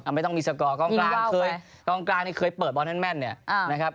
ไม่ต้องมีสกรกล้องกล้างเคยเปิดบอร์นเทอร์แม่นเนี่ยนะครับ